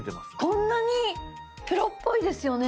こんなに⁉プロっぽいですよね。